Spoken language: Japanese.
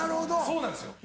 そうなんですよ。